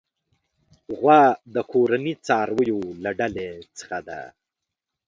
غوا د کورني څارويو له ډلې څخه ده.